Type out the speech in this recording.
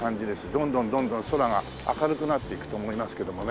どんどんどんどん空が明るくなっていくと思いますけどもね。